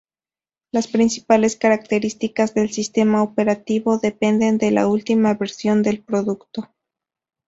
Las principales características del sistema operativo dependen de la última versión del producto.